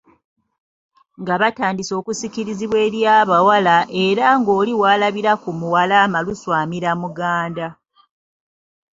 Nga batandise okusikirizibwa eri abawala era ng'oli walabira ku muwala amalusu amira muganda.